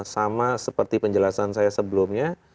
sama seperti penjelasan saya sebelumnya